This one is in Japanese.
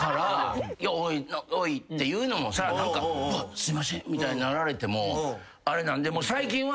おいって言うのもさ「すいません」みたいになられてもあれなんで最近は。